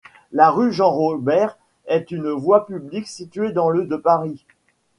La rue Jean-Robert est une voie publique située dans le de Paris.